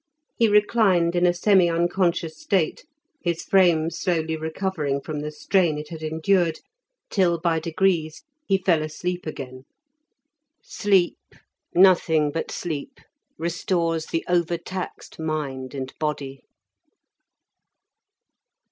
He reclined in a semi unconscious state, his frame slowly recovering from the strain it had endured, till by degrees he fell asleep again. Sleep, nothing but sleep, restores the overtaxed mind and body.